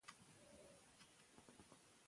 د شرکتونو بریا د کارکوونکو رضایت پورې تړلې ده.